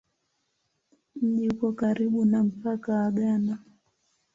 Mji uko karibu na mpaka wa Ghana.